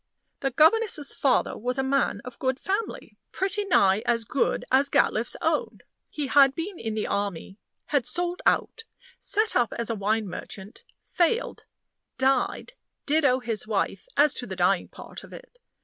The governess's father was a man of good family pretty nigh as good as Gatliffe's own. He had been in the army; had sold out; set up as a wine merchant failed died; ditto his wife, as to the dying part of it.